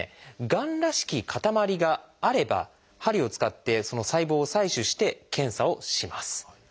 がんらしき塊があれば針を使ってその細胞を採取して検査をします。